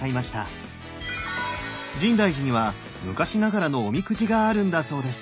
深大寺には昔ながらのおみくじがあるんだそうです！